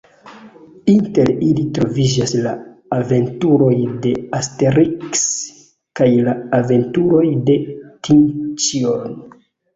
Inter ili troviĝas la Aventuroj de Asteriks, kaj la Aventuroj de Tinĉjo.